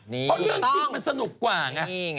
เพราะเรื่องจริงมันสนุกกว่าไง